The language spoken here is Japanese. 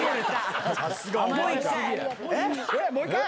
もう一回。